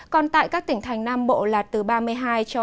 còn tại các tỉnh thành nam bộ là từ ba mươi hai ba mươi ba độ